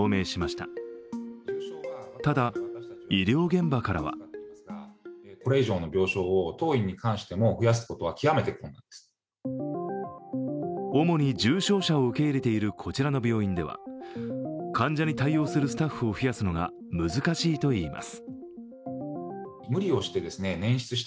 ただ、医療現場からは主に重症者を受け入れているこちらの病院では患者に対応するスタッフを増やすのが難しいといいます。